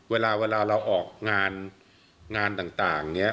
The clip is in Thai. เวลาเราออกงานงานต่างเนี่ย